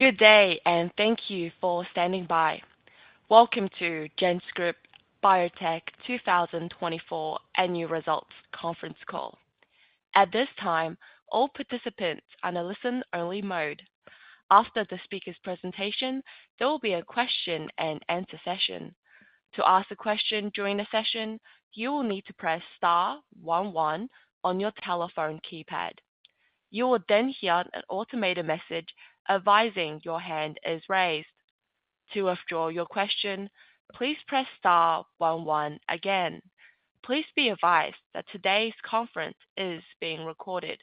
Good day, and thank you for standing by. Welcome to GenScript Biotech 2024 Annual Results Conference Call. At this time, all participants are in a listen-only mode. After the speaker's presentation, there will be a question-and-answer session. To ask a question during the session, you will need to press star one one on your telephone keypad. You will then hear an automated message advising your hand is raised. To withdraw your question, please press star one one again. Please be advised that today's conference is being recorded.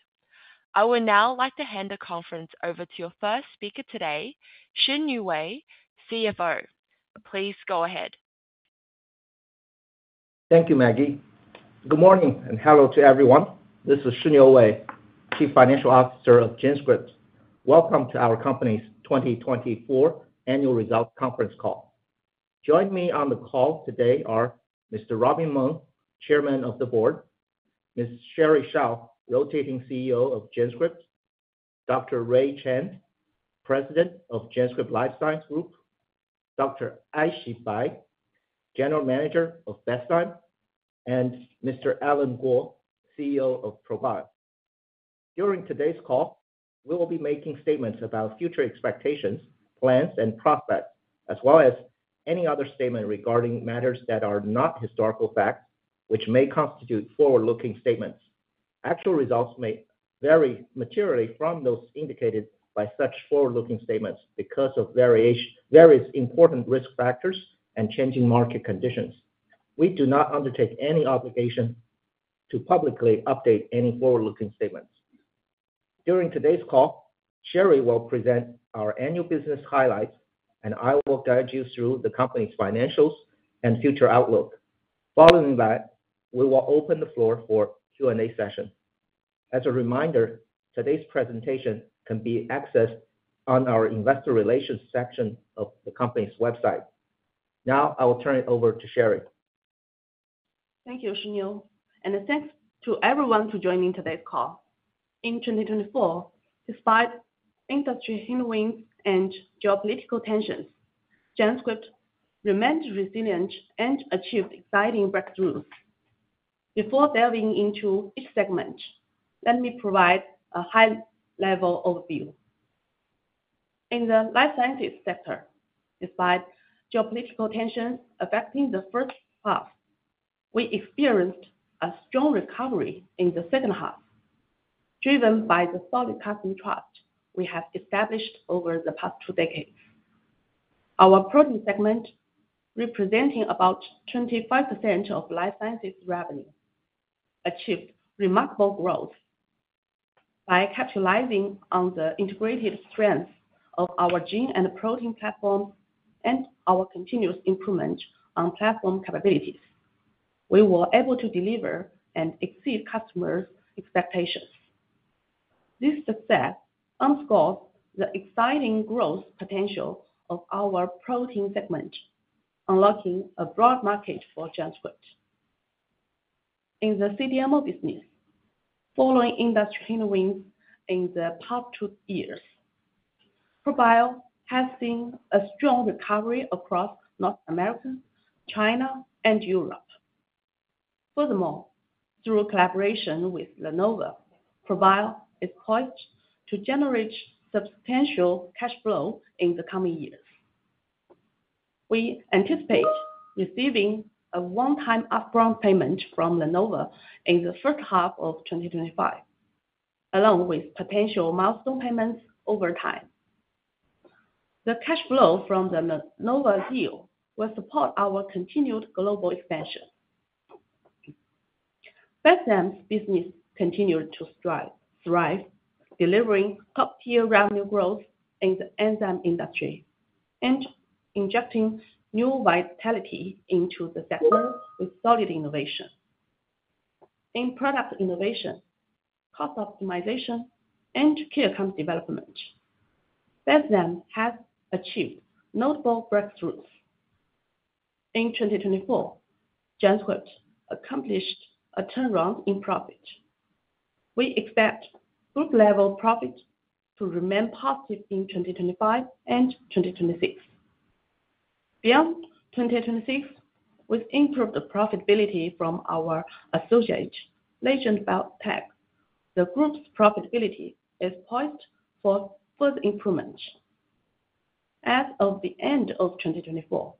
I would now like to hand the conference over to your first speaker today, Shiniu Wei, CFO. Please go ahead. Thank you, Maggie. Good morning and hello to everyone. This is Shiniu Wei, Chief Financial Officer of GenScript. Welcome to our company's 2024 Annual Results Conference Call. Joining me on the call today are Mr. Robin Meng, Chairman of the Board; Ms. Sherry Shao, Rotating CEO of GenScript; Dr. Ray Chen, President of GenScript Life Science Group; Dr. Aixi Bai, General Manager of Bestzyme; and Mr. Allen Guo, CEO of ProBio. During today's call, we will be making statements about future expectations, plans, and prospects, as well as any other statement regarding matters that are not historical facts, which may constitute forward-looking statements. Actual results may vary materially from those indicated by such forward-looking statements because of various important risk factors and changing market conditions. We do not undertake any obligation to publicly update any forward-looking statements. During today's call, Sherry will present our annual business highlights, and I will guide you through the company's financials and future outlook. Following that, we will open the floor for a Q&A session. As a reminder, today's presentation can be accessed on our Investor Relations section of the company's website. Now, I will turn it over to Sherry. Thank you, Shiniu, and thanks to everyone for joining today's call. In 2024, despite industry headwinds and geopolitical tensions, GenScript remained resilient and achieved exciting breakthroughs. Before delving into each segment, let me provide a high-level overview. In the life sciences sector, despite geopolitical tensions affecting the first half, we experienced a strong recovery in the second half, driven by the solid customer trust we have established over the past two decades. Our protein segment, representing about 25% of life sciences revenue, achieved remarkable growth by capitalizing on the integrated strengths of our gene and protein platforms and our continuous improvement on platform capabilities. We were able to deliver and exceed customers' expectations. This success underscores the exciting growth potential of our protein segment, unlocking a broad market for GenScript. In the CDMO business, following industry headwinds in the past two years, ProBio has seen a strong recovery across North America, China, and Europe. Furthermore, through collaboration with LaNova, ProBio is poised to generate substantial cash flow in the coming years. We anticipate receiving a one-time upfront payment from LaNova in the first half of 2025, along with potential milestone payments over time. The cash flow from the LaNova deal will support our continued global expansion. Bestzyme's business continues to thrive, delivering top-tier revenue growth in the enzyme industry and injecting new vitality into the sector with solid innovation. In product innovation, cost optimization, and key account development, Bestzyme has achieved notable breakthroughs. In 2024, GenScript accomplished a turnaround in profit. We expect group-level profit to remain positive in 2025 and 2026. Beyond 2026, with improved profitability from our associate, Legend Biotech, the group's profitability is poised for further improvement. As of the end of 2024,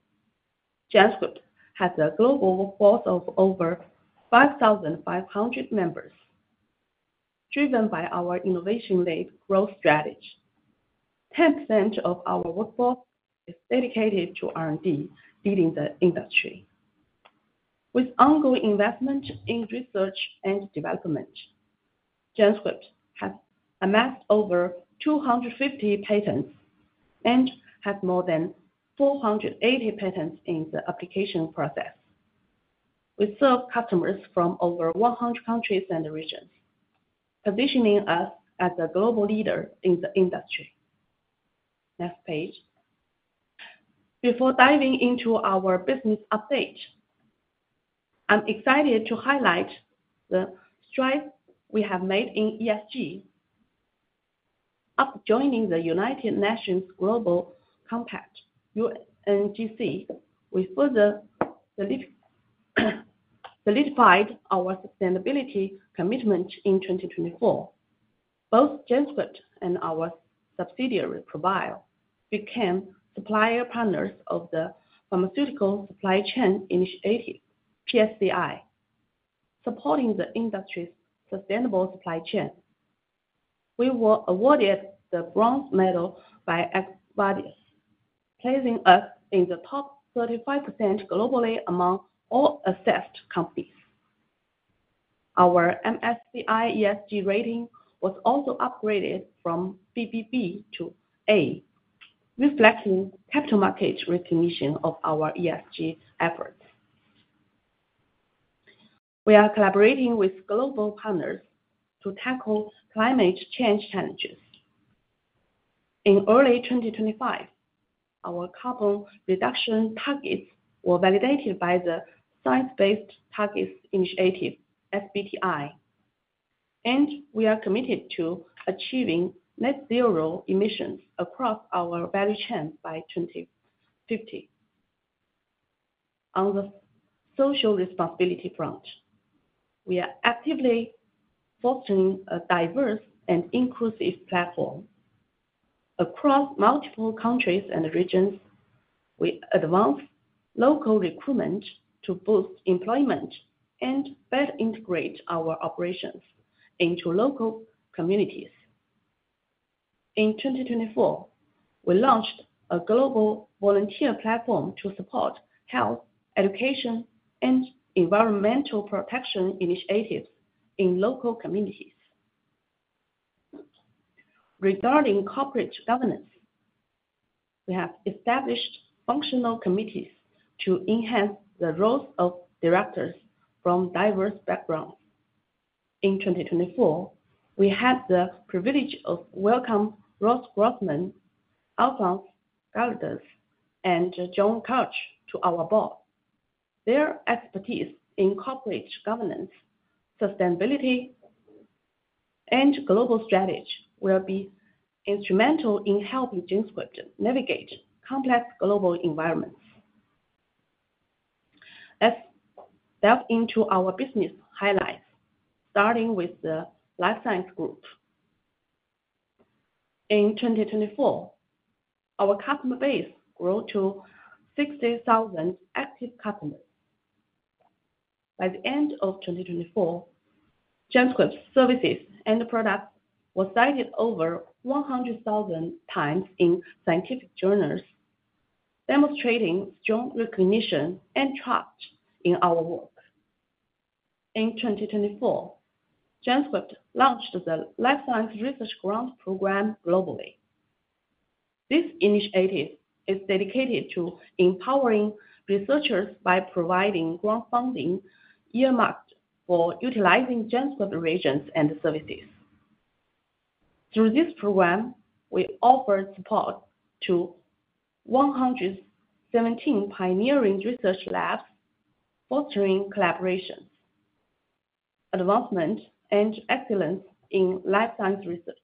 GenScript has a global workforce of over 5,500 members. Driven by our innovation-led growth strategy, 10% of our workforce is dedicated to R&D, leading the industry. With ongoing investment in research and development, GenScript has amassed over 250 patents and has more than 480 patents in the application process. We serve customers from over 100 countries and regions, positioning us as a global leader in the industry. Next page. Before diving into our business update, I'm excited to highlight the strides we have made in ESG. After joining the United Nations Global Compact (UNGC), we further solidified our sustainability commitment in 2024. Both GenScript and our subsidiary, ProBio, became supplier partners of the Pharmaceutical Supply Chain Initiative (PSCI), supporting the industry's sustainable supply chain. We were awarded the Bronze Medal by EcoVadis, placing us in the top 35% globally among all assessed companies. Our MSCI ESG rating was also upgraded from BBB to A, reflecting capital market recognition of our ESG efforts. We are collaborating with global partners to tackle climate change challenges. In early 2025, our carbon reduction targets were validated by the Science-Based Targets Initiative (SBTi), and we are committed to achieving net-zero emissions across our value chain by 2050. On the social responsibility front, we are actively fostering a diverse and inclusive platform. Across multiple countries and regions, we advance local recruitment to boost employment and better integrate our operations into local communities. In 2024, we launched a global volunteer platform to support health, education, and environmental protection initiatives in local communities. Regarding corporate governance, we have established functional committees to enhance the roles of directors from diverse backgrounds. In 2024, we had the privilege of welcoming Ross Grossman, Alphonse Galdes, and John Koch to our board. Their expertise in corporate governance, sustainability, and global strategy will be instrumental in helping GenScript navigate complex global environments. Let's delve into our business highlights, starting with the life science group. In 2024, our customer base grew to 60,000 active customers. By the end of 2024, GenScript's services and products were cited over 100,000 times in scientific journals, demonstrating strong recognition and trust in our work. In 2024, GenScript launched the Life Science Research Grants Program globally. This initiative is dedicated to empowering researchers by providing grant funding earmarked for utilizing GenScript regions and services. Through this program, we offered support to 117 pioneering research labs, fostering collaborations, advancement, and excellence in life science research.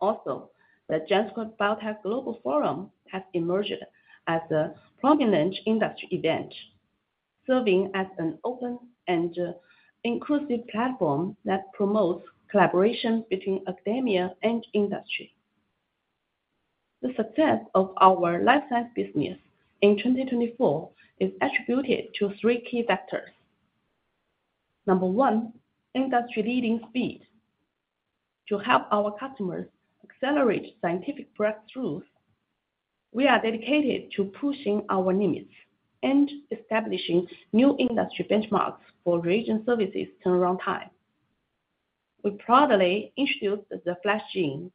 Also, the GenScript Biotech Global Forum has emerged as a prominent industry event, serving as an open and inclusive platform that promotes collaboration between academia and industry. The success of our life science business in 2024 is attributed to three key factors. Number one, industry-leading speed. To help our customers accelerate scientific breakthroughs, we are dedicated to pushing our limits and establishing new industry benchmarks for gene services turnaround time. We proudly introduced the FlashGene,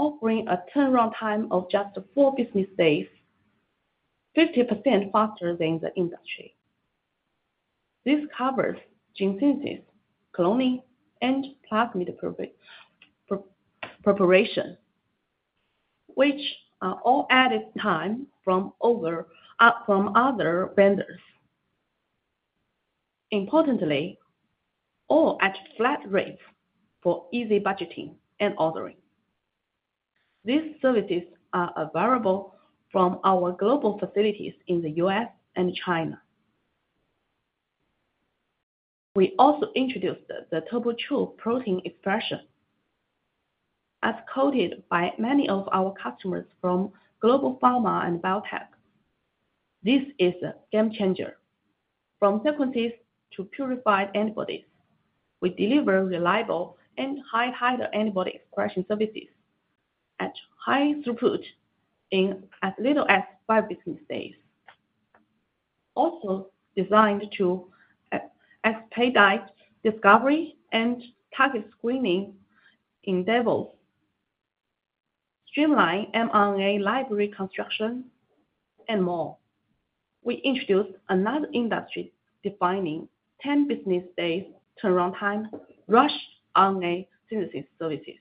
offering a turnaround time of just four business days, 50% faster than the industry. This covers gene synthesis, cloning, and plasmid preparation, which are all added time from other vendors. Importantly, all at flat rates for easy budgeting and ordering. These services are available from our global facilities in the US and China. We also introduced the TurboCHO protein expression. As quoted by many of our customers from global pharma and biotech, this is a game changer. From sequences to purified antibodies, we deliver reliable and high-titer antibody expression services at high throughput in as little as five business days. Also designed to expedite discovery and target screening endeavors, streamline mRNA library construction, and more, we introduced another industry-defining 10-business-day turnaround time, Rush RNA Synthesis services.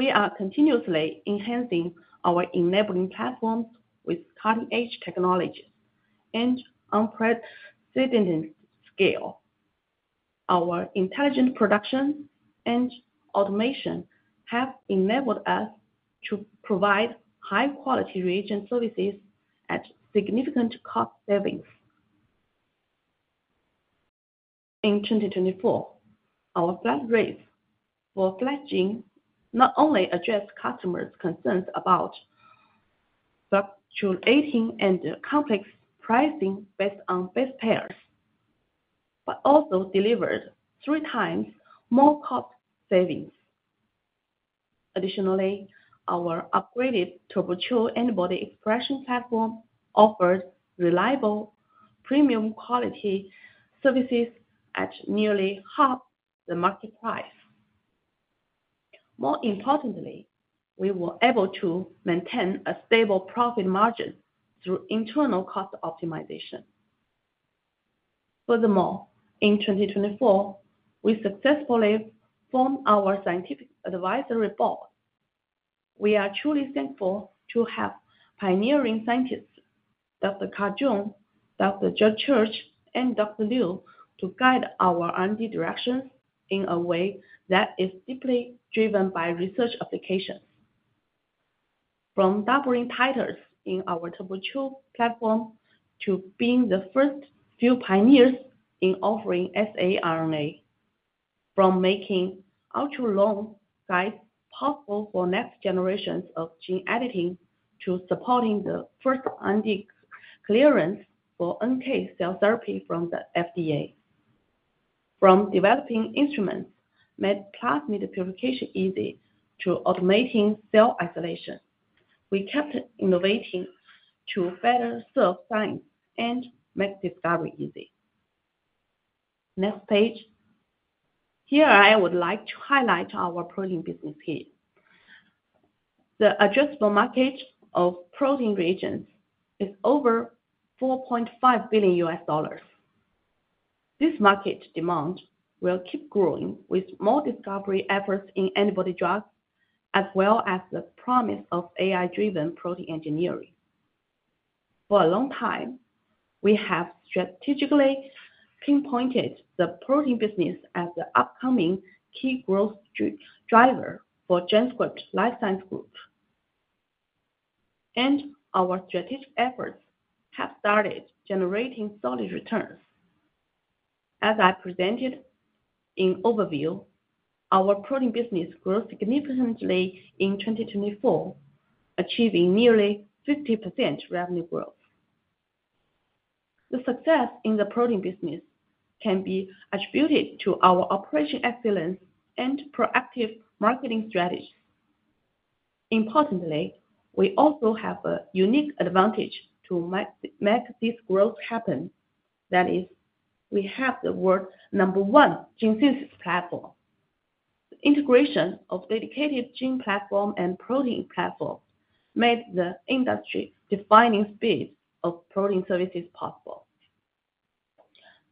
We are continuously enhancing our enabling platforms with cutting-edge technologies and unprecedented scale. Our intelligent production and automation have enabled us to provide high-quality gene services at significant cost savings. In 2024, our Flash Rates for Flash Gene not only addressed customers' concerns about fluctuating and complex pricing based on base pairs, but also delivered three times more cost savings. Additionally, our upgraded TurboCHO antibody expression platform offered reliable premium quality services at nearly half the market price. More importantly, we were able to maintain a stable profit margin through internal cost optimization. Furthermore, in 2024, we successfully formed our scientific advisory board. We are truly thankful to have pioneering scientists, Dr. Kai Zhou, Dr. George Church, and Dr. Liu, to guide our R&D directions in a way that is deeply driven by research applications. From doubling titers in our TurboT platform to being the first few pioneers in offering saRNA, from making ultra-long guides possible for next generations of gene editing to supporting the first R&D clearance for NK cell therapy from the FDA, from developing instruments made plasmid purification easy to automating cell isolation, we kept innovating to better serve science and make discovery easy. Next page. Here I would like to highlight our protein business here. The addressable market of protein regions is over $4.5 billion USD. This market demand will keep growing with more discovery efforts in antibody drugs, as well as the promise of AI-driven protein engineering. For a long time, we have strategically pinpointed the protein business as the upcoming key growth driver for GenScript Life Science Group, and our strategic efforts have started generating solid returns. As I presented in overview, our protein business grew significantly in 2024, achieving nearly 50% revenue growth. The success in the protein business can be attributed to our operation excellence and proactive marketing strategies. Importantly, we also have a unique advantage to make this growth happen. That is, we have the world's number one gene synthesis platform. The integration of dedicated gene platforms and protein platforms made the industry-defining speed of protein services possible.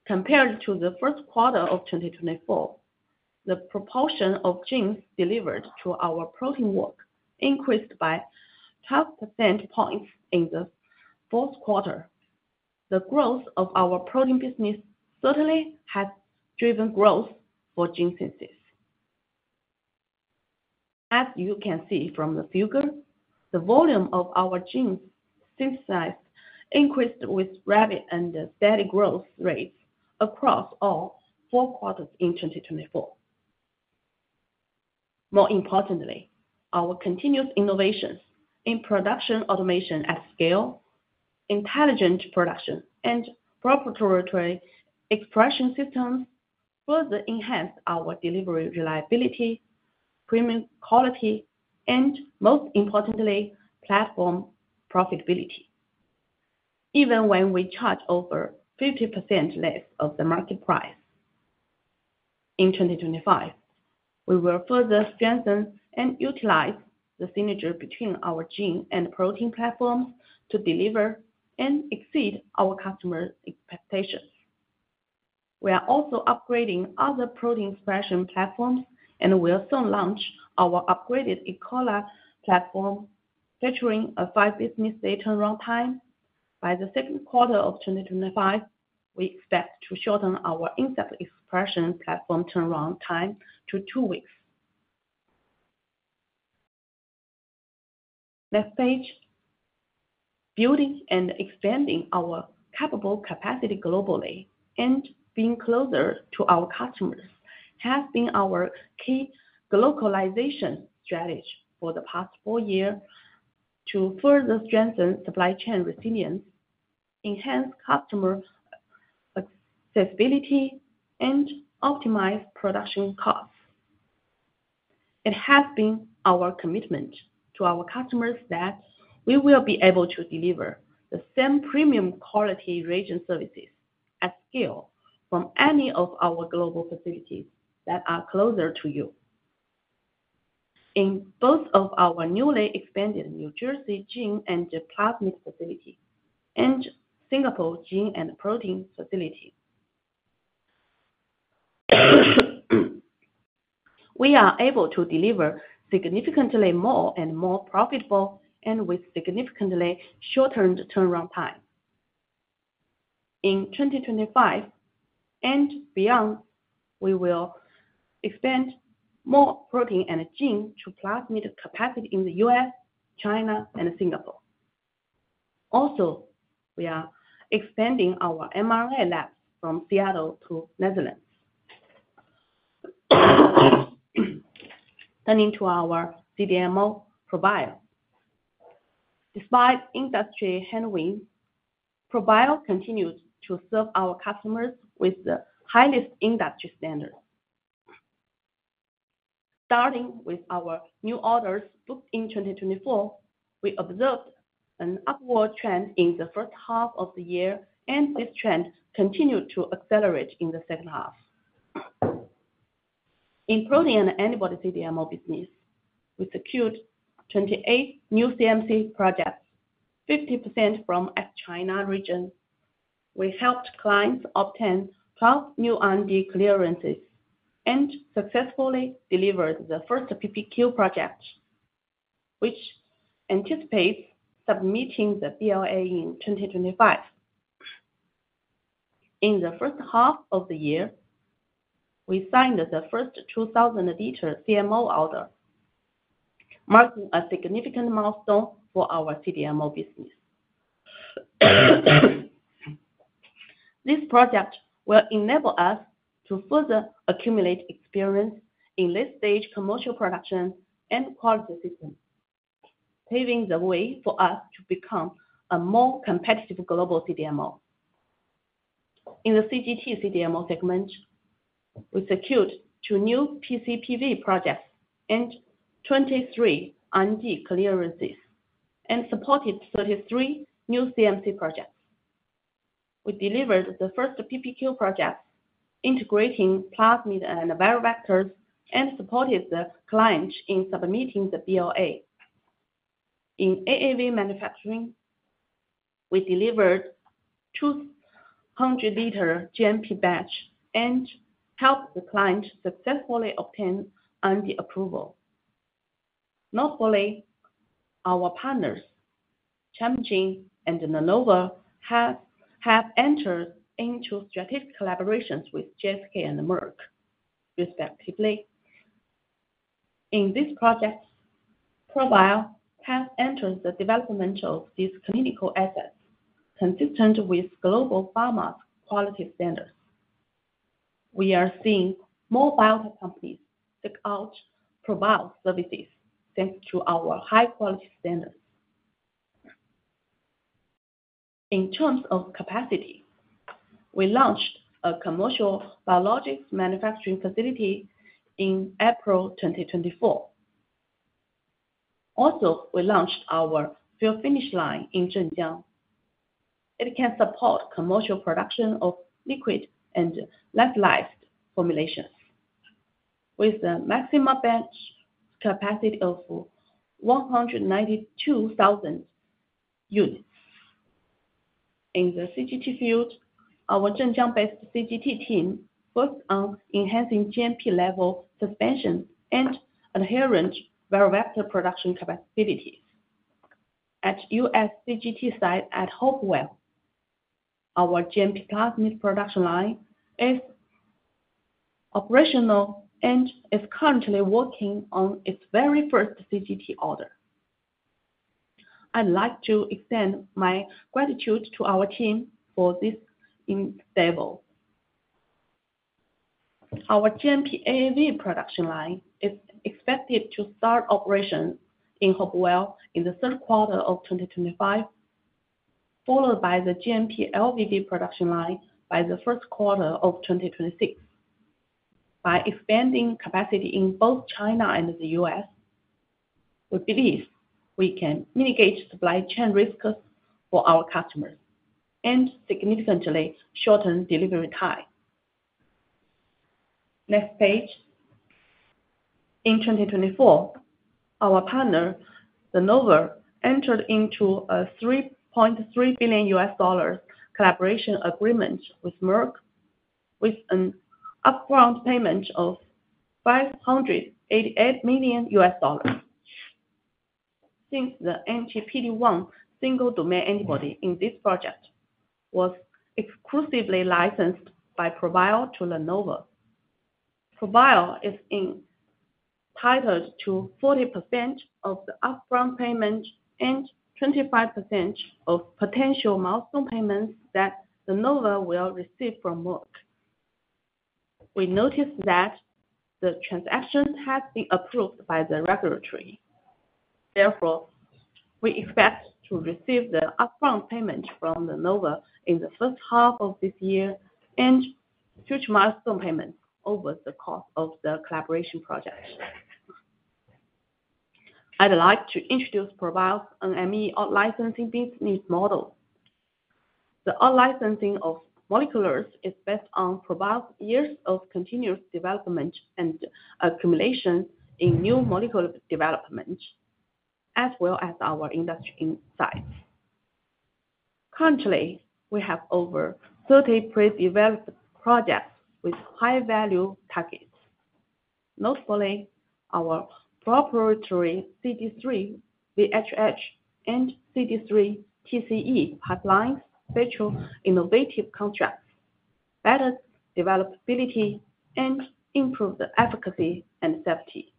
Compared to the Q1 of 2024, the proportion of genes delivered to our protein work increased by 12% points in the Q4. The growth of our protein business certainly has driven growth for gene synthesis. As you can see from the figure, the volume of our genes synthesized increased with rapid and steady growth rates across all four quarters in 2024. More importantly, our continuous innovations in production automation at scale, intelligent production, and preparatory expression systems further enhance our delivery reliability, premium quality, and most importantly, platform profitability, even when we charge over 50% less of the market price. In 2025, we will further strengthen and utilize the synergy between our gene and protein platforms to deliver and exceed our customer expectations. We are also upgrading other protein expression platforms and will soon launch our upgraded E. coli platform, featuring a five-business-day turnaround time. By the Q2 of 2025, we expect to shorten our Insect Expression Platform turnaround time to two weeks. Next page. Building and expanding our capable capacity globally and being closer to our customers has been our key globalization strategy for the past four years to further strengthen supply chain resilience, enhance customer accessibility, and optimize production costs. It has been our commitment to our customers that we will be able to deliver the same premium quality region services at scale from any of our global facilities that are closer to you. In both of our newly expanded New Jersey gene and plasmid facility and Singapore gene and protein facility, we are able to deliver significantly more and more profitable and with significantly shorter turnaround time. In 2025 and beyond, we will expand more protein and gene to plasmid capacity in the US, China, and Singapore. Also, we are expanding our mRNA labs from Seattle to the Netherlands. Turning to our CDMO ProBio. Despite industry headwinds, ProBio continues to serve our customers with the highest industry standards. Starting with our new orders booked in 2024, we observed an upward trend in the first half of the year, and this trend continued to accelerate in the second half. In protein and antibody CDMO business, we secured 28 new CMC projects, 50% from. At China region, we helped clients obtain 12 new R&D clearances and successfully delivered the first PPQ project, which anticipates submitting the BLA in 2025. In the first half of the year, we signed the first 2,000-liter CMO order, marking a significant milestone for our CDMO business. This project will enable us to further accumulate experience in late-stage commercial production and quality systems, paving the way for us to become a more competitive global CDMO. In the CGT CDMO segment, we secured two new PCPV projects and 23 R&D clearances and supported 33 new CMC projects. We delivered the first PPQ project, integrating plasmid and bio-vectors, and supported the client in submitting the BLA. In AAV manufacturing, we delivered two 100-liter GMP batches and helped the client successfully obtain R&D approval. Notably, our partners, Legend Biotech and LaNova, have entered into strategic collaborations with Johnson & Johnson and Merck, respectively. In this project, ProBio has entered the development of these clinical assets consistent with global pharma's quality standards. We are seeing more biotech companies seek out ProBio services thanks to our high-quality standards. In terms of capacity, we launched a commercial biologics manufacturing facility in April 2024. Also, we launched our fill-finish line in Zhenjiang. It can support commercial production of liquid and lyophilized formulations with a maximum batch capacity of 192,000 units. In the CGT field, our Zhenjiang-based CGT team focused on enhancing GMP-level suspension and adherent bio-vector production capacities. At U.S. CGT site at Hopewell, our GMP plasmid production line is operational and is currently working on its very first CGT order. I'd like to extend my gratitude to our team for this endeavor. Our GMP AAV production line is expected to start operations in Hopewell in the Q3 of 2025, followed by the GMP LVV production line by the Q1 of 2026. By expanding capacity in both China and the U.S., we believe we can mitigate supply chain risks for our customers and significantly shorten delivery time. Next page. In 2024, our partner, LaNova, entered into a $3.3 billion collaboration agreement with Merck, with an upfront payment of $588 million. Since the ENTPD1 single-domain antibody in this project was exclusively licensed by ProBio to LaNova, ProBio is entitled to 40% of the upfront payment and 25% of potential milestone payments that LaNova will receive from Merck. We notice that the transaction has been approved by the regulatory. Therefore, we expect to receive the upfront payment from LaNova in the first half of this year and huge milestone payments over the course of the collaboration project. I'd like to introduce ProBio's NME out-licensing business model. The out-licensing of moleculars is based on ProBio's years of continuous development and accumulation in new molecular development, as well as our industry insights. Currently, we have over 30 pre-developed projects with high-value targets. Notably, our proprietary CD3 VHH and CD3 TCE pipelines feature innovative constructs that develop ability and improve the efficacy and safety,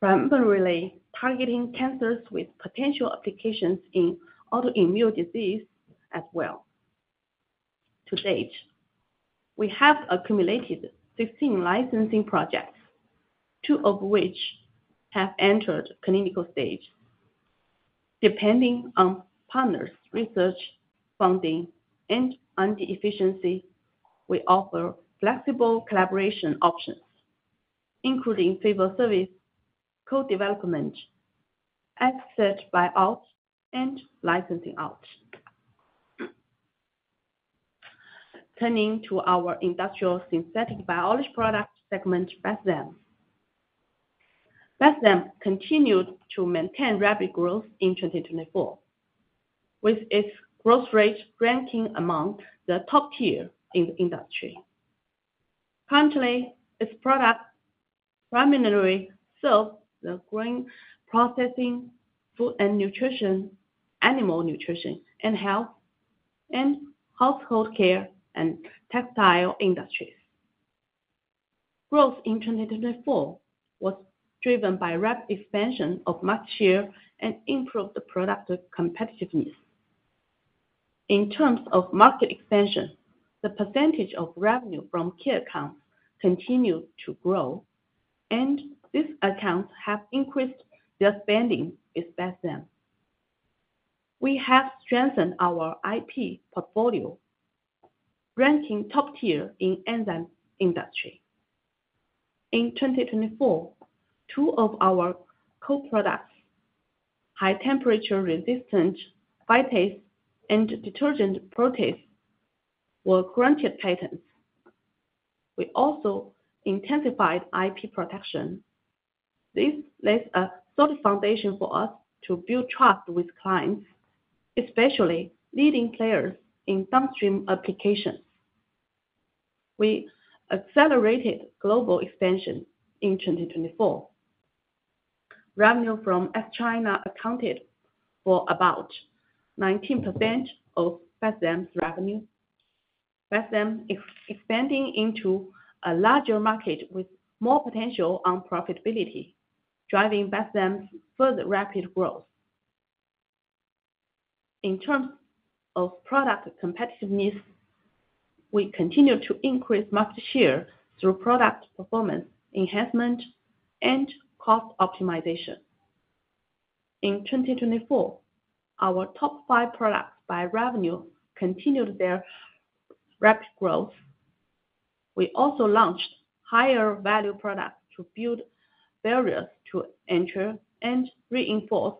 primarily targeting cancers with potential applications in autoimmune diseases as well. To date, we have accumulated 16 licensing projects, two of which have entered clinical stage. Depending on partners' research funding and R&D efficiency, we offer flexible collaboration options, including favored service, co-development, excerpt buyout, and licensing out. Turning to our industrial synthetic biology product segment, Bestzyme. Bestzyme continued to maintain rapid growth in 2024, with its gross rate ranking among the top tier in the industry. Currently, its products primarily serve the grain processing, food and nutrition, animal nutrition and health, and household care and textile industries. Growth in 2024 was driven by rapid expansion of market share and improved product competitiveness. In terms of market expansion, the percentage of revenue from key accounts continued to grow, and these accounts have increased their spending with Bestzyme. We have strengthened our IP portfolio, ranking top tier in enzyme industry. In 2024, two of our co-products, High Temperature Resistant Phytase and Detergent Protease, were granted patents. We also intensified IP protection. This lays a solid foundation for us to build trust with clients, especially leading players in downstream applications. We accelerated global expansion in 2024. Revenue from outside China accounted for about 19% of Bestzyme's revenue, Bestzyme expanding into a larger market with more potential on profitability, driving Bestzyme's further rapid growth. In terms of product competitiveness, we continue to increase market share through product performance enhancement and cost optimization. In 2024, our top five products by revenue continued their rapid growth. We also launched higher-value products to build barriers to enter and reinforce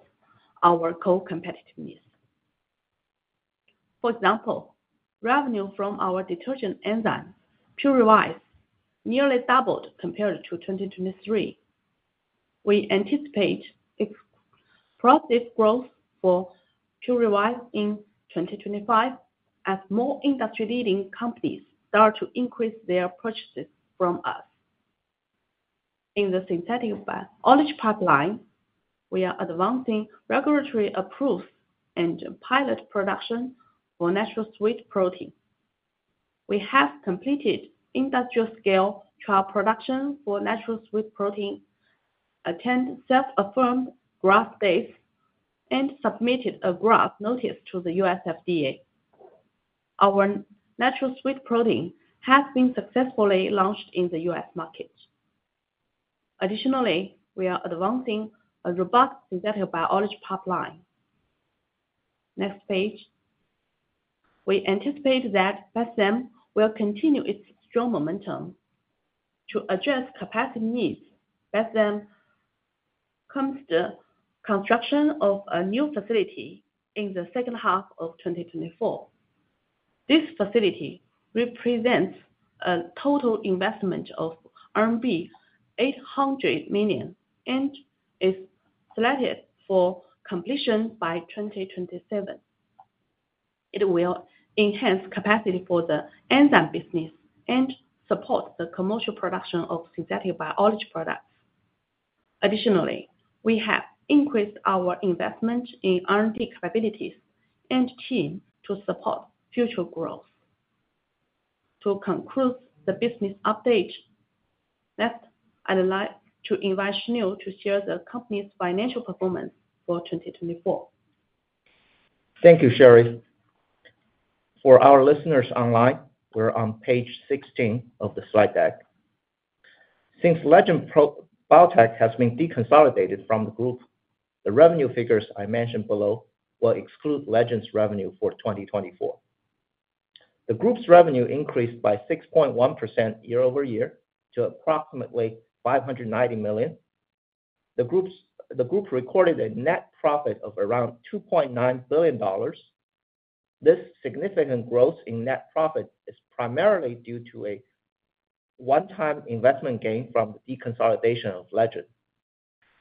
our co-competitiveness. For example, revenue from our detergent enzyme Purezyme nearly doubled compared to 2023. We anticipate explosive growth for Purezyme in 2025 as more industry-leading companies start to increase their purchases from us. In the synthetic biology pipeline, we are advancing regulatory approvals and pilot production for natural sweet protein. We have completed industrial-scale trial production for natural sweet protein, attended self-affirmed GRAS days, and submitted a GRAS notice to the US FDA. Our natural sweet protein has been successfully launched in the US market. Additionally, we are advancing a robust synthetic biology pipeline. Next page. We anticipate that Bestzyme will continue its strong momentum. To address capacity needs, Bestzyme commenced the construction of a new facility in the second half of 2024. This facility represents a total investment of RMB 800 million and is slated for completion by 2027. It will enhance capacity for the enzyme business and support the commercial production of synthetic biology products. Additionally, we have increased our investment in R&D capabilities and team to support future growth. To conclude the business update, next, I'd like to invite Shiniu to share the company's financial performance for 2024. Thank you, Sherry. For our listeners online, we're on page 16 of the slide deck. Since Legend Biotech has been deconsolidated from the group, the revenue figures I mention below will exclude Legend's revenue for 2024. The group's revenue increased by 6.1% year over year to approximately $590 million. The group recorded a net profit of around $2.9 billion. This significant growth in net profit is primarily due to a one-time investment gain from the deconsolidation of Legend.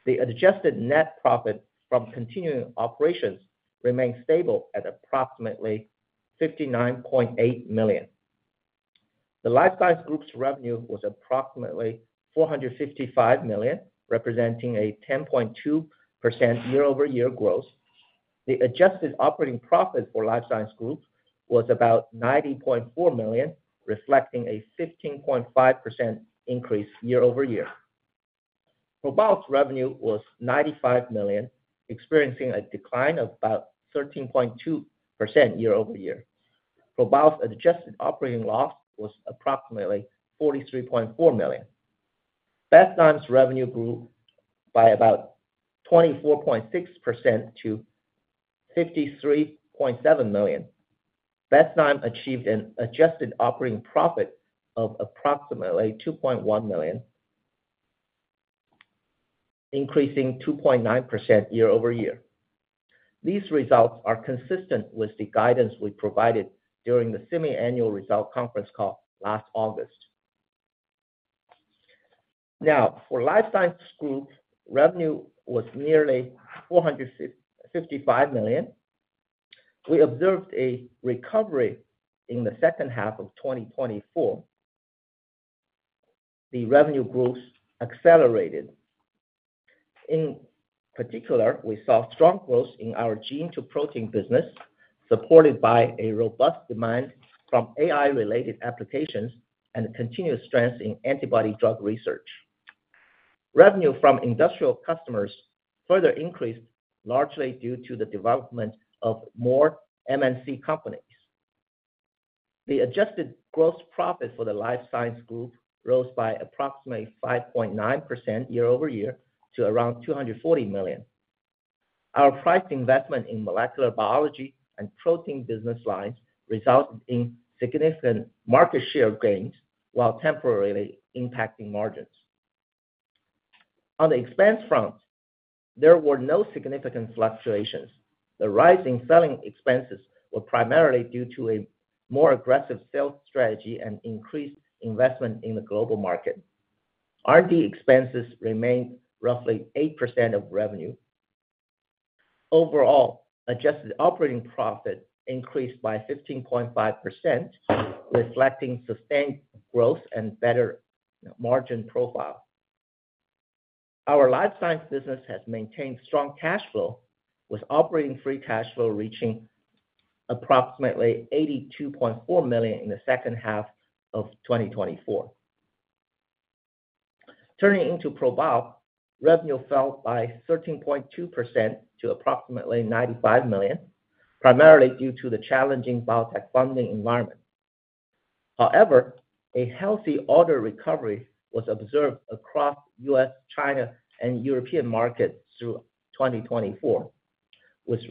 The adjusted net profit from continuing operations remains stable at approximately $59.8 million. The Life Science Group's revenue was approximately $455 million, representing a 10.2% year-over-year growth. The adjusted operating profit for Life Science Group was about $90.4 million, reflecting a 15.5% increase year-over-year. ProBio's revenue was $95 million, experiencing a decline of about 13.2% year-over-year. ProBio's adjusted operating loss was approximately $43.4 million. Bestzyme's revenue grew by about 24.6% to $53.7 million. Bestzyme achieved an adjusted operating profit of approximately $2.1 million, increasing 2.9% year-over-year. These results are consistent with the guidance we provided during the semiannual result conference call last August. Now, for Life Science Group, revenue was nearly $455 million. We observed a recovery in the second half of 2024. The revenue growth accelerated. In particular, we saw strong growth in our gene-to-protein business, supported by a robust demand from AI-related applications and continuous strengths in antibody drug research. Revenue from industrial customers further increased, largely due to the development of more MNC companies. The adjusted gross profit for the Life Science Group rose by approximately 5.9% year-over-year to around $240 million. Our price investment in molecular biology and protein business lines resulted in significant market share gains, while temporarily impacting margins. On the expense front, there were no significant fluctuations. The rising selling expenses were primarily due to a more aggressive sales strategy and increased investment in the global market. R&D expenses remained roughly 8% of revenue. Overall, adjusted operating profit increased by 15.5%, reflecting sustained growth and better margin profile. Our Life Science business has maintained strong cash flow, with operating free cash flow reaching approximately $82.4 million in the second half of 2024. Turning into ProBio, revenue fell by 13.2% to approximately $95 million, primarily due to the challenging biotech funding environment. However, a healthy order recovery was observed across US, China, and European markets through 2024, with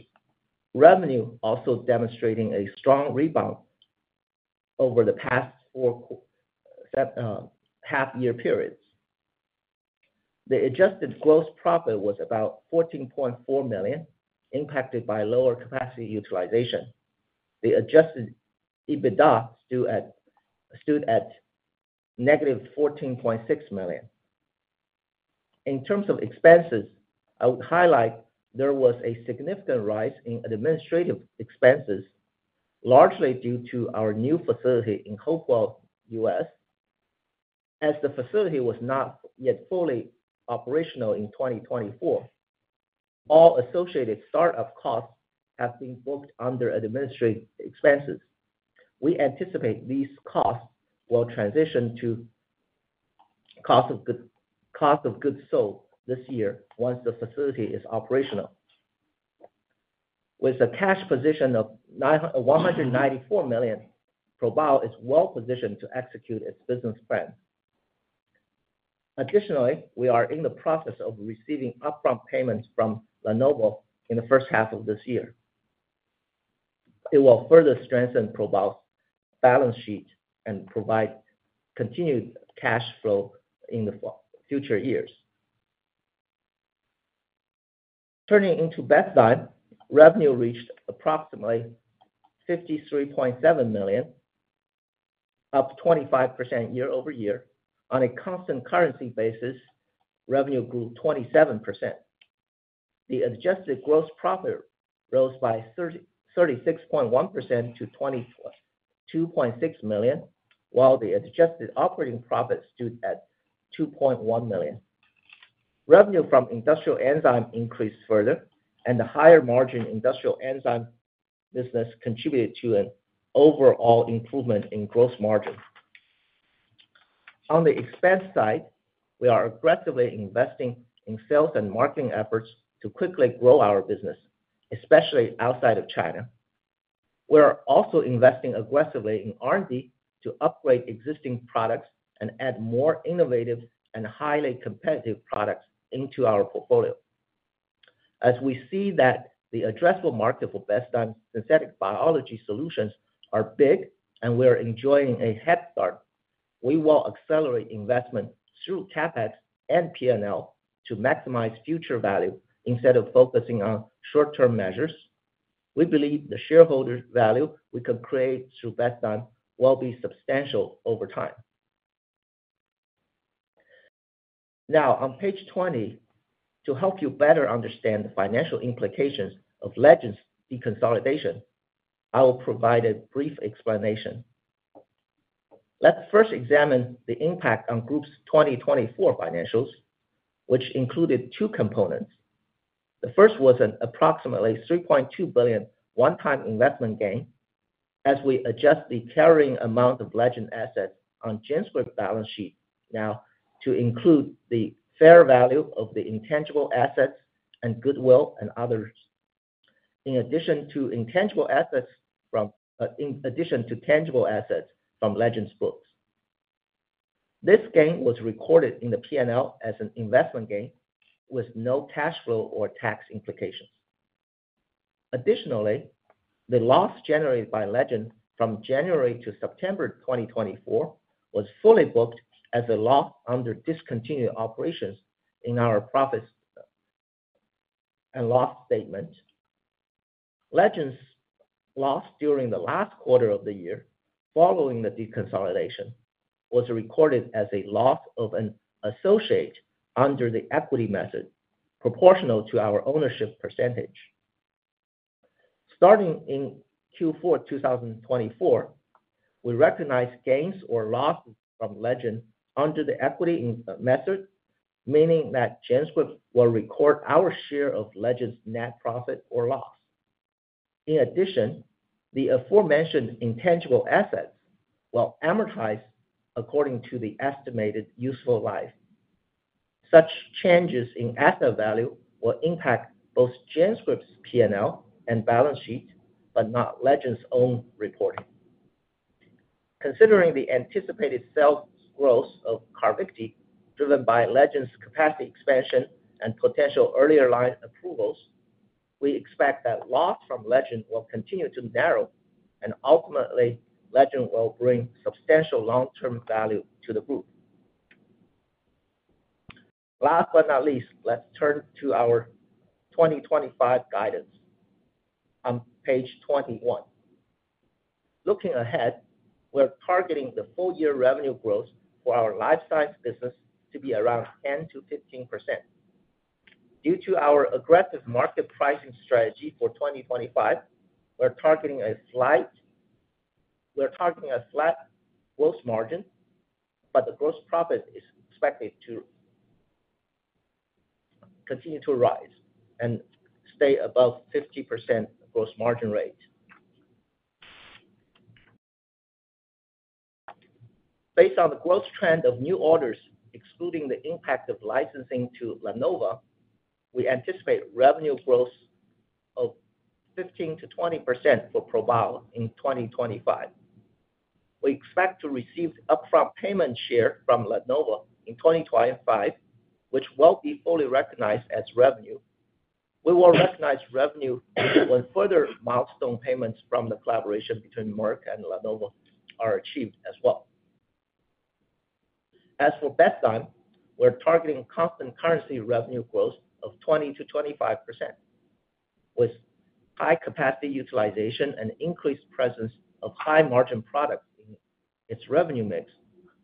revenue also demonstrating a strong rebound over the past four half-year periods. The adjusted gross profit was about $14.4 million, impacted by lower capacity utilization. The adjusted EBITDA stood at negative $14.6 million. In terms of expenses, I would highlight there was a significant rise in administrative expenses, largely due to our new facility in Hopewell, US, as the facility was not yet fully operational in 2024. All associated startup costs have been booked under administrative expenses. We anticipate these costs will transition to cost of goods sold this year once the facility is operational. With a cash position of $194 million, ProBio is well positioned to execute its business plan. Additionally, we are in the process of receiving upfront payments from LaNova in the first half of this year. It will further strengthen ProBio's balance sheet and provide continued cash flow in the future years. Turning into Bestzyme, revenue reached approximately $53.7 million, up 25% year-over-year. On a constant currency basis, revenue grew 27%. The adjusted gross profit rose by 36.1% to $22.6 million, while the adjusted operating profit stood at $2.1 million. Revenue from industrial enzyme increased further, and the higher-margin industrial enzyme business contributed to an overall improvement in gross margin. On the expense side, we are aggressively investing in sales and marketing efforts to quickly grow our business, especially outside of China. We are also investing aggressively in R&D to upgrade existing products and add more innovative and highly competitive products into our portfolio. As we see that the addressable market for Bestzyme's synthetic biology solutions is big and we are enjoying a head start, we will accelerate investment through CapEx and P&L to maximize future value instead of focusing on short-term measures. We believe the shareholder value we can create through Bestzyme will be substantial over time. Now, on page 20, to help you better understand the financial implications of Legend's deconsolidation, I will provide a brief explanation. Let's first examine the impact on Group's 2024 financials, which included two components. The first was an approximately $3.2 billion one-time investment gain as we adjust the carrying amount of Legend assets on GenScript balance sheet now to include the fair value of the intangible assets and goodwill and others, in addition to intangible assets from Legend's books. This gain was recorded in the P&L as an investment gain with no cash flow or tax implications. Additionally, the loss generated by Legend from January to September 2024 was fully booked as a loss under discontinued operations in our profit and loss statement. Legend's loss during the last quarter of the year following the deconsolidation was recorded as a loss of an associate under the equity method, proportional to our ownership percentage. Starting in Q4 2024, we recognize gains or losses from Legend under the equity method, meaning that GenScript will record our share of Legend's net profit or loss. In addition, the aforementioned intangible assets will amortize according to the estimated useful life. Such changes in asset value will impact both GenScript's P&L and balance sheet, but not Legend's own reporting. Considering the anticipated sales growth of Carvykti, driven by Legend's capacity expansion and potential earlier line approvals, we expect that loss from Legend will continue to narrow, and ultimately, Legend will bring substantial long-term value to the group. Last but not least, let's turn to our 2025 guidance on page 21. Looking ahead, we're targeting the full-year revenue growth for our Life Science business to be around 10%-15%. Due to our aggressive market pricing strategy for 2025, we're targeting a slight growth margin, but the gross profit is expected to continue to rise and stay above 50% gross margin rate. Based on the growth trend of new orders, excluding the impact of licensing to LaNova, we anticipate revenue growth of 15%-20% for ProBio in 2025. We expect to receive the upfront payment share from LaNova in 2025, which will be fully recognized as revenue. We will recognize revenue when further milestone payments from the collaboration between Merck and LaNova are achieved as well. As for Bestzyme, we're targeting constant currency revenue growth of 20%-25%. With high capacity utilization and increased presence of high-margin products in its revenue mix,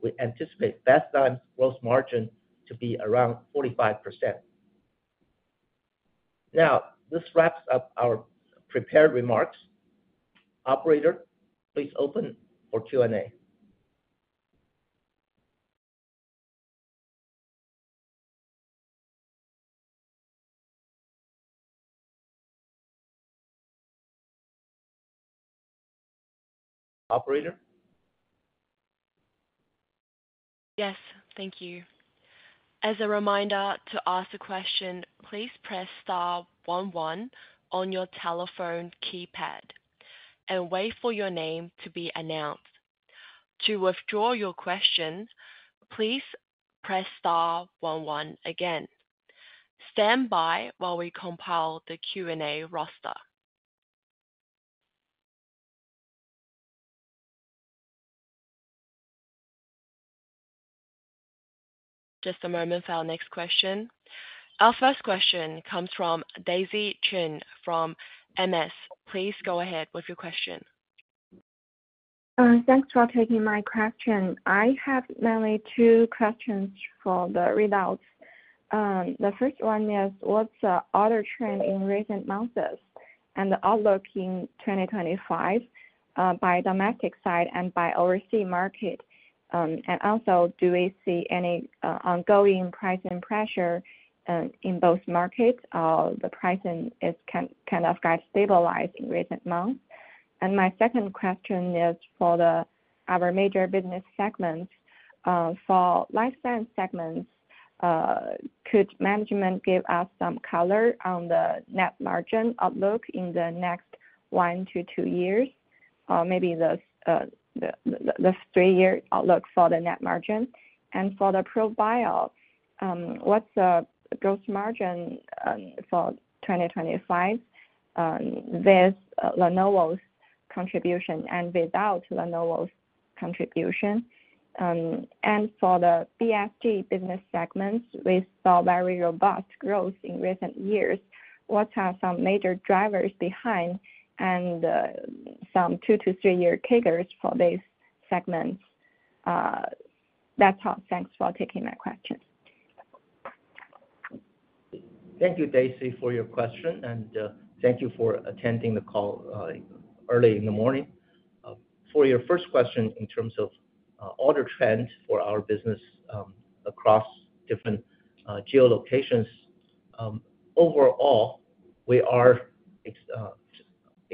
we anticipate Bestzyme's gross margin to be around 45%. Now, this wraps up our prepared remarks. Operator, please open for Q&A. Operator. Yes, thank you. As a reminder to ask a question, please press star one one on your telephone keypad and wait for your name to be announced. To withdraw your question, please press star one one again. Stand by while we compile the Q&A roster. Just a damoment for our next question. Our first question comes from Daisy Zhan from MS. Please go ahead with your question. Thanks for taking my question. I have mainly two questions for the readouts. The first one is, what's the order trend in recent months and the outlook in 2025 by domestic side and by overseas market? Also, do we see any ongoing pricing pressure in both markets? The pricing has kind of stabilized in recent months. My second question is for our major business segments. For Life Science segments, could management give us some color on the net margin outlook in the next one to two years? Maybe the three-year outlook for the net margin. For the ProBio, what's the gross margin for 2025 with LaNova's contribution and without LaNova's contribution? For the BSG business segments, we saw very robust growth in recent years. What are some major drivers behind and some two to three-year figures for these segments? That's all. Thanks for taking my questions. Thank you, Daisy, for your question, and thank you for attending the call early in the morning. For your first question, in terms of order trends for our business across different geolocations, overall, we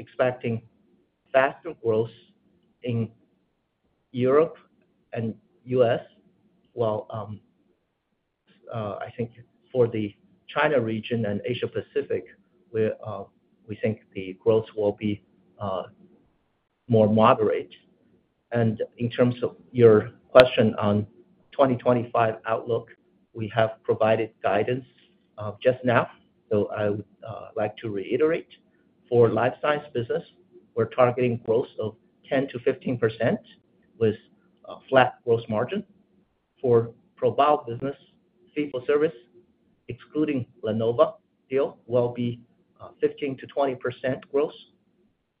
are expecting faster growth in Europe and US, while I think for the China region and Asia-Pacific, we think the growth will be more moderate. In terms of your question on 2025 outlook, we have provided guidance just now, so I would like to reiterate. For Life Science business, we're targeting growth of 10%-15% with flat gross margin. For ProBio business, FIFO service, excluding LaNova, will be 15%-20% growth.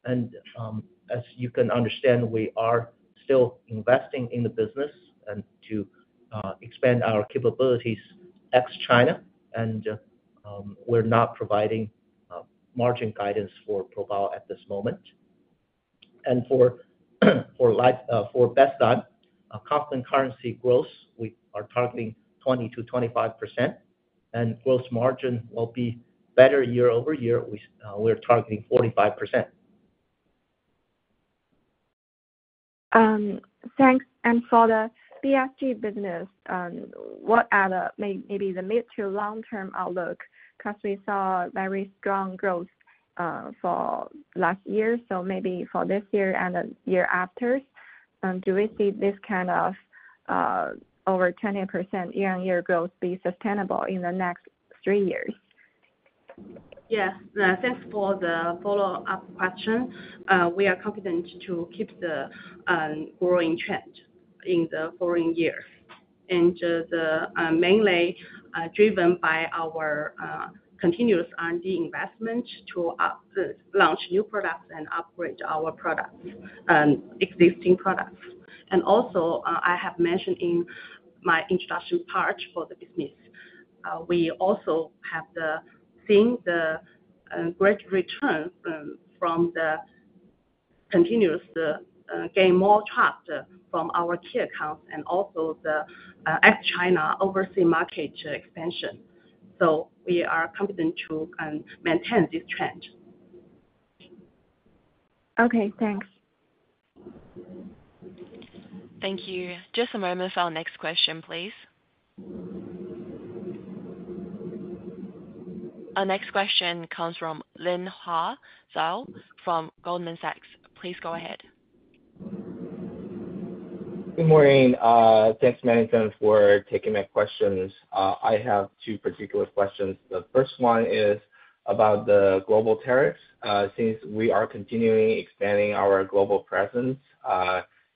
As you can understand, we are still investing in the business to expand our capabilities ex-China, and we're not providing margin guidance for ProBio at this moment. For Bestzyme, constant currency growth, we are targeting 20%-25%, and gross margin will be better year over year. We're targeting 45%. Thanks. For the BSG business, what are maybe the mid to long-term outlook? Because we saw very strong growth for last year, so maybe for this year and the year after, do we see this kind of over 20% year-on-year growth be sustainable in the next three years? Yes. Thanks for the follow-up question. We are confident to keep the growing trend in the following years, and mainly driven by our continuous R&D investment to launch new products and upgrade our existing products. I have mentioned in my introduction part for the business, we also have seen the great return from the continuous gain, more tracked from our key accounts and also the ex-China overseas market expansion. We are confident to maintain this trend. Okay. Thanks. Thank you. Just a moment for our next question, please. Our next question comes from Lin Hao Zhao from Goldman Sachs. Please go ahead. Good morning. Thanks operator for taking my questions. I have two particular questions. The first one is about the global tariffs. Since we are continuing expanding our global presence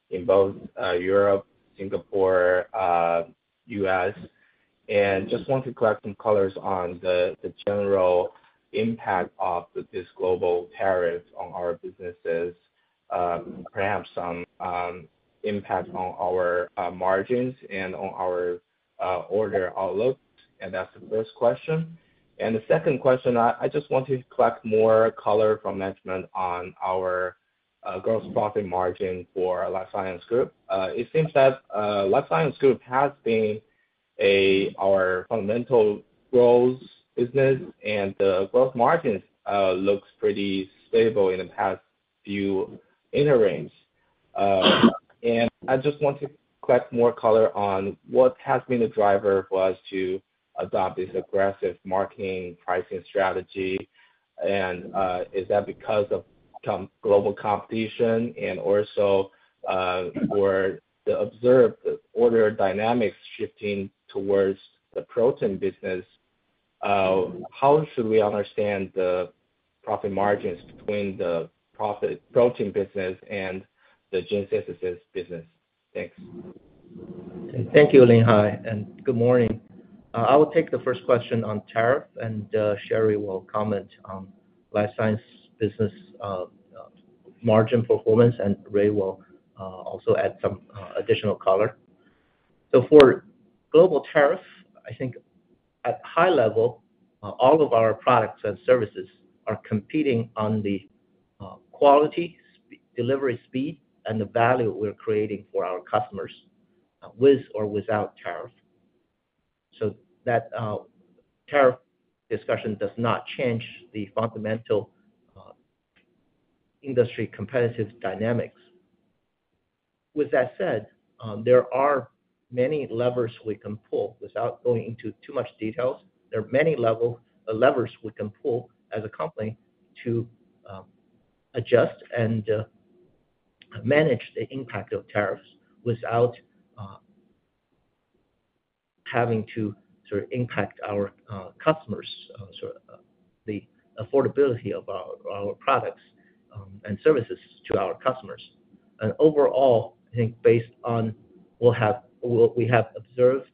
in both Europe, Singapore, and the US, and just want to collect some colors on the general impact of this global tariff on our businesses, perhaps some impact on our margins and on our order outlook. That is the first question. The second question, I just want to collect more color from management on our gross profit margin for Life Science Group. It seems that Life Science Group has been our fundamental growth business, and the growth margins look pretty stable in the past few interims. I just want to collect more color on what has been the driver for us to adopt this aggressive marketing pricing strategy. Is that because of global competition and also the observed order dynamics shifting towards the protein business? How should we understand the profit margins between the protein business and the gene synthesis business? Thanks. Thank you, Lin Hao, and good morning. I will take the first question on tariff, and Sherry will comment on Life Science business margin performance, and Ray will also add some additional color. For global tariffs, I think at high level, all of our products and services are competing on the quality, delivery speed, and the value we're creating for our customers with or without tariff. That tariff discussion does not change the fundamental industry competitive dynamics. With that said, there are many levers we can pull without going into too much details. There are many levers we can pull as a company to adjust and manage the impact of tariffs without having to impact our customers, the affordability of our products and services to our customers. Overall, I think based on what we have observed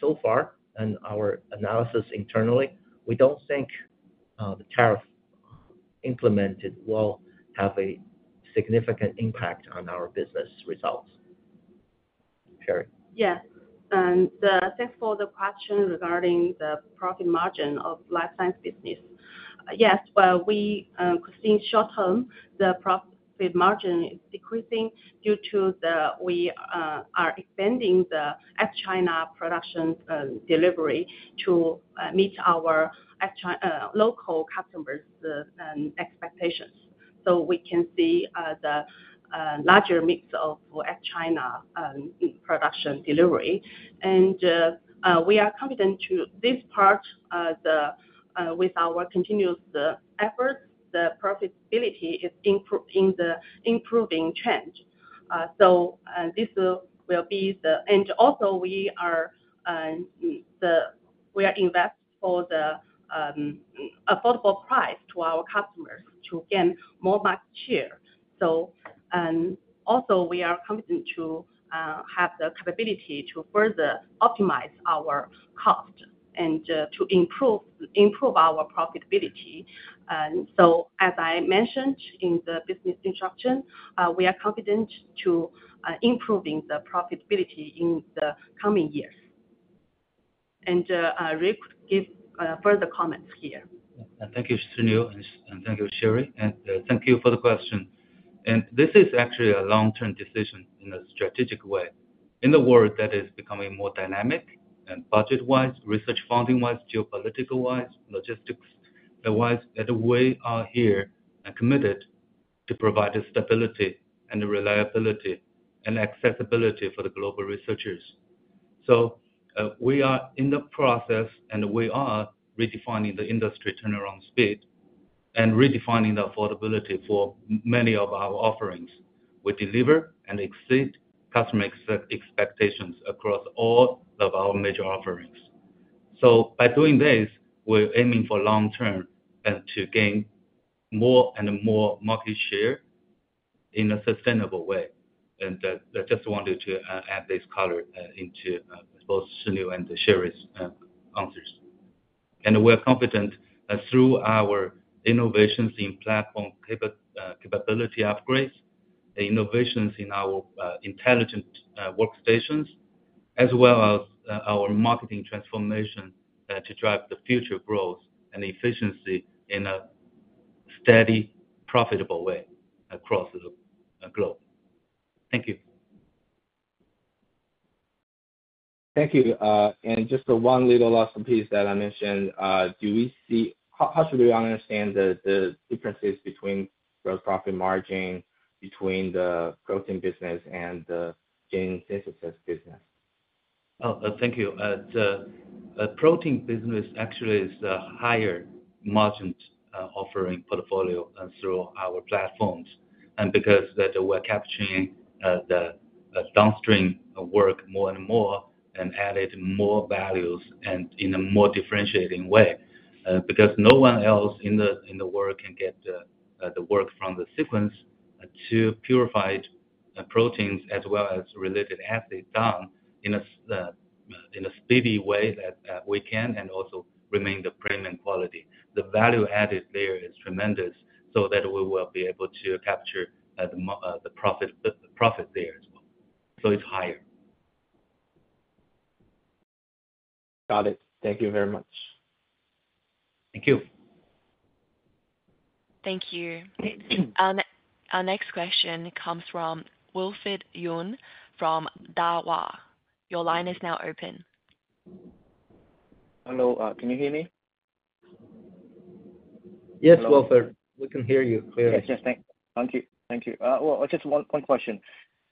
so far and our analysis internally, we don't think the tariff implemented will have a significant impact on our business results. Sherry. Yes. Thanks for the question regarding the profit margin of Life Science business. Yes, we see short-term the profit margin is decreasing due to the we are expanding the ex-China production delivery to meet our local customers' expectations. We can see the larger mix of ex-China production delivery. We are confident to this part with our continuous efforts, the profitability is in the improving trend. This will be the and also, we are investing for the affordable price to our customers to gain more market share. We are confident to have the capability to further optimize our cost and to improve our profitability. As I mentioned in the business instruction, we are confident to improving the profitability in the coming years. Ray could give further comments here. Thank you, Shiniu, and thank you, Sherry. Thank you for the question. This is actually a long-term decision in a strategic way. In a world that is becoming more dynamic and budget-wise, research funding-wise, geopolitical-wise, logistics-wise, we are here and committed to providing stability and reliability and accessibility for the global researchers. We are in the process, and we are redefining the industry turnaround speed and redefining the affordability for many of our offerings. We deliver and exceed customer expectations across all of our major offerings. By doing this, we're aiming for long-term and to gain more and more market share in a sustainable way. I just wanted to add this color into both Shiniu and Sherry's answers. We are confident that through our innovations in platform capability upgrades, innovations in our intelligent workstations, as well as our marketing transformation to drive the future growth and efficiency in a steady, profitable way across the globe. Thank you. Thank you. Just one little last piece that I mentioned. How should we understand the differences between gross profit margin, between the protein business and the gene synthesis business? Thank you. The protein business actually is a higher margin offering portfolio through our platforms because we're capturing the downstream work more and more and added more values in a more differentiating way. Because no one else in the world can get the work from the sequence to purified proteins as well as related assays done in a speedy way that we can and also remain the premium quality. The value-added there is tremendous so that we will be able to capture the profit there as well. So it's higher. Got it. Thank you very much. Thank you. Thank you. Our next question comes from Wilfred Yuen from Daiwa. Your line is now open. Hello. Can you hear me? Yes, Wilfrid. We can hear you clearly. Yes. Thank you. Thank you. Just one question.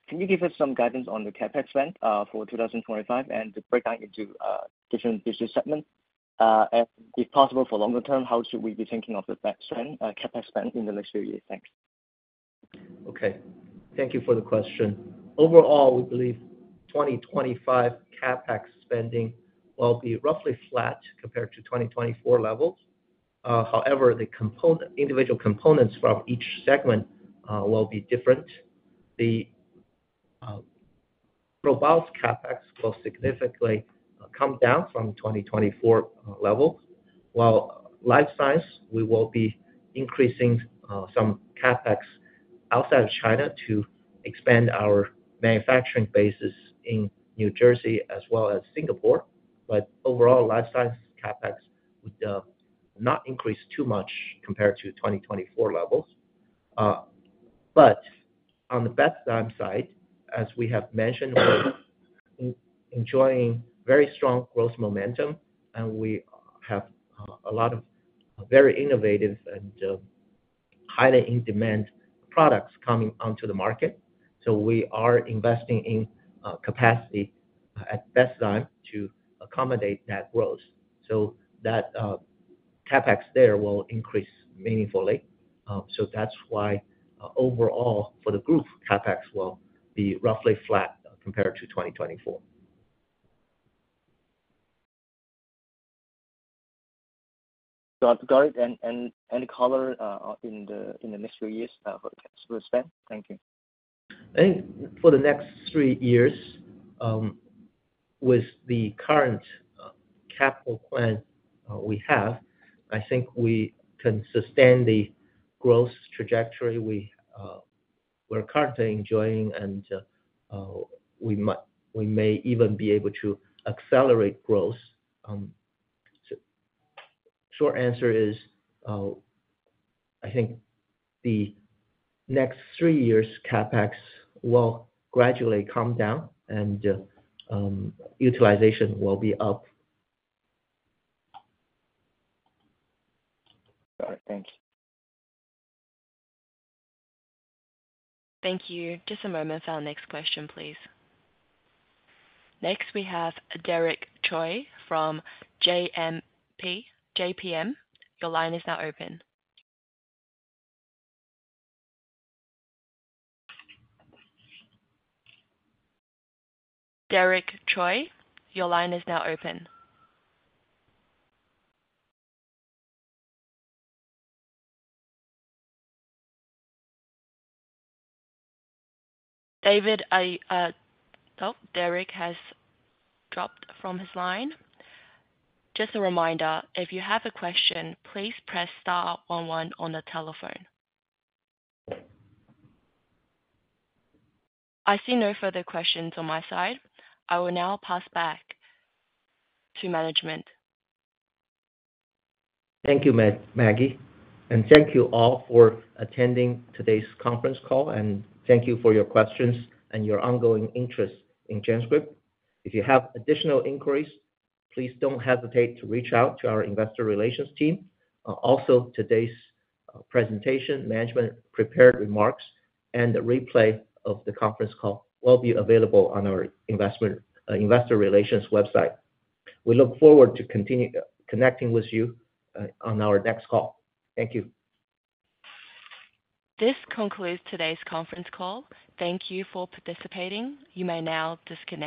Can you give us some guidance on the CapEx spend for 2025 and the breakdown into different business segments? If possible, for longer term, how should we be thinking of the CapEx spend in the next few years? Thanks. Okay. Thank you for the question. Overall, we believe 2025 CapEx spending will be roughly flat compared to 2024 levels. However, the individual components from each segment will be different. The robust CapEx will significantly come down from 2024 levels. While Life Science, we will be increasing some CapEx outside of China to expand our manufacturing bases in New Jersey as well as Singapore. Overall, Life Science CapEx would not increase too much compared to 2024 levels. On the Bestzyme side, as we have mentioned, we're enjoying very strong growth momentum, and we have a lot of very innovative and highly in-demand products coming onto the market. We are investing in capacity at Bestzyme to accommodate that growth. That CapEx there will increase meaningfully. That is why overall, for the group, CapEx will be roughly flat compared to 2024. Got it. Any color in the next few years for the CapEx spend? Thank you. I think for the next three years, with the current CapEx plan we have, I think we can sustain the growth trajectory we're currently enjoying, and we may even be able to accelerate growth. Short answer is, I think the next three years' CapEx will gradually come down, and utilization will be up. Got it. Thanks. Thank you. Just a moment for our next question, please. Next, we have Derek Choi from JPMorgan. Your line is now open. Derek Choi, your line is now open. Derek has dropped from his line. Just a reminder, if you have a question, please press star one one on the telephone. I see no further questions on my side. I will now pass back to management. Thank you, Maggie. Thank you all for attending today's conference call, and thank you for your questions and your ongoing interest in GenScript. If you have additional inquiries, please do not hesitate to reach out to our investor relations team. Also, today's presentation, management prepared remarks, and the replay of the conference call will be available on our investor relations website. We look forward to connecting with you on our next call. Thank you. This concludes today's conference call. Thank you for participating. You may now disconnect.